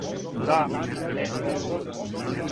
Да, не може.